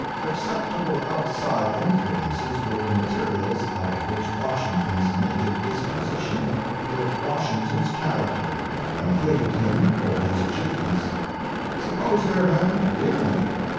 Acceptable outside influences were the materials out of which Washington's native disposition built Washington's character and fitted him for his achievements. Suppose there hadn't been any.